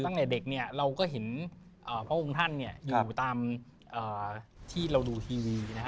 ตั้งแต่เด็กเนี่ยเราก็เห็นพระองค์ท่านอยู่ตามที่เราดูทีวีนะฮะ